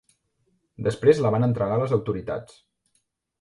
Després la van entregar a les autoritats.